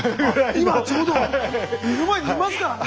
今ちょうど目の前にいますからね。